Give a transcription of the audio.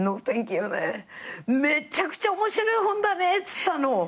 「めちゃくちゃ面白い本だね」っつったの。